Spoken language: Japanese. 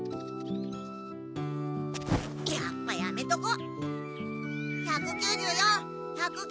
やっぱやめとこ。